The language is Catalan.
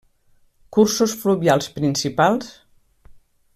Cursos fluvials principals: